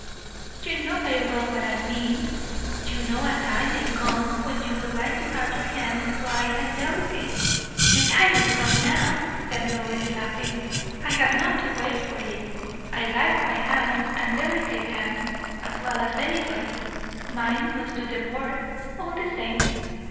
"You know very well what I mean. You know a time may come when you would like to have your hands white and delicate." "The time is come now," said Lois, laughing. "I have not to wait for it. I like white hands, and delicate hands, as well as anybody. Mine must do their work, all the same.